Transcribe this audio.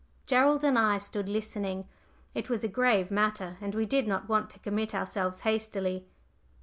Gerald and I stood listening. It was a grave matter, and we did not want to commit ourselves hastily.